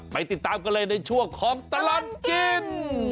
ติดตามกันเลยในช่วงของตลอดกิน